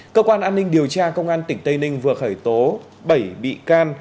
cơ quan an ninh điều tra công an tỉnh tây ninh vừa khởi tố bảy bị can